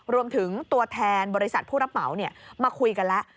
รวมถึงตัวแทนบริษัทผู้รับเหมามาคุยกันแล้ว